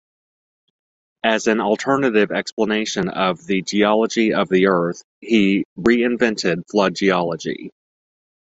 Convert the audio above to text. As an alternative explanation of the geology of the earth, he re-invented Flood Geology.